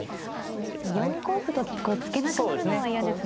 これ４五歩と突けなくなるのは嫌ですね。